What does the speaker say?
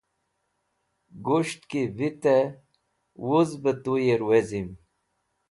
Ghusht ki vitẽ wuz bẽ tuyẽr wezim